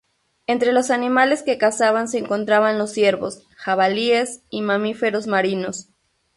Entre los animales que cazaban se encontraban los ciervos, jabalíes y mamíferos marinos.